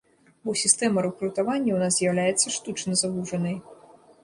Бо сістэма рэкрутавання ў нас з'яўляецца штучна завужанай.